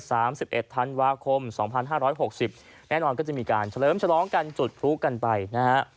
สามสิบเอ็ดธันวาคมสองพันห้าร้อยหกสิบแน่นอนก็จะมีการเฉลิมฉลองกันจุดพลุกันไปนะฮะ